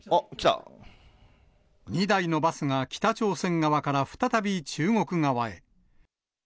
２台のバスが、北朝鮮側から再び中国側へ。